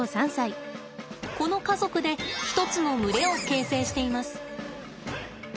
この家族で一つの群れを形成しています。